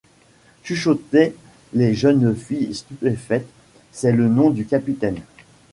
chuchotaient les jeunes filles stupéfaites, c’est le nom du capitaine!